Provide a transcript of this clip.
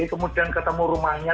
kemudian ketemu rumahnya